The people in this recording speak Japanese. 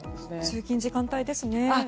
通勤時間帯ですね。